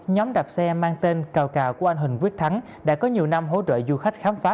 nhóm đạp xe mang tên cào cà của anh huỳnh quyết thắng đã có nhiều năm hỗ trợ du khách khám phá